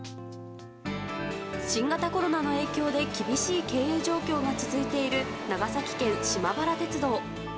新型コロナの影響で厳しい経営状況が続いている長野県島原鉄道。